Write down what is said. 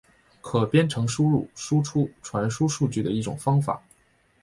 可编程输入输出传输数据的一种方法。